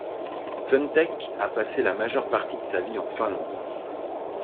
Funtek a passé la majeure partie de sa vie en Finlande.